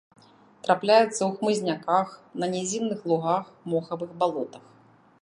Трапляецца ў хмызняках, на нізінных лугах, мохавых балотах.